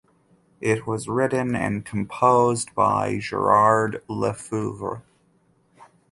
It was written and composed by Gerard Le Feuvre.